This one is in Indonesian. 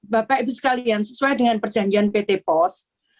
bapak ibu sekalian sesuai dengan perjanjian pt pos